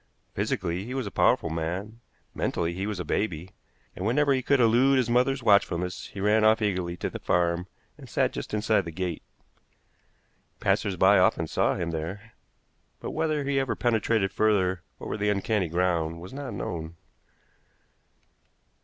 Physically he was a powerful man, mentally he was a baby; and whenever he could elude his mother's watchfulness he ran off eagerly to the farm and sat just inside the gate. Passers by often saw him there, but whether he ever penetrated further over the uncanny ground was not known.